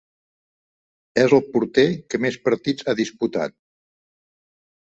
És el porter que més partits ha disputat.